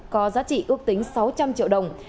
có giá trị ước tính sáu trăm linh triệu đồng